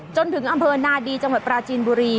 จนถึงอำเภอนาดีจังหวัดปราจีนบุรี